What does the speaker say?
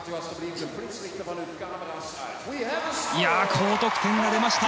高得点が出ました！